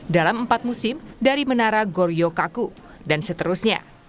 dalam empat musim dari menara goryo kaku dan seterusnya